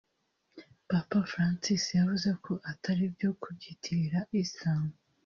Papa Francis yavuze ko atari byo kubyitirira Islam